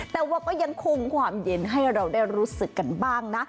แต่ว่าก็ยังคงความเย็นให้เราได้รู้สึกกันบ้างนะ